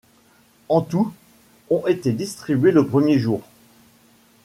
En tout, ont été distribuées le premier jour.